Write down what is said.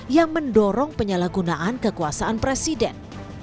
yang mendorong penyalahgunaan kekuasaan presiden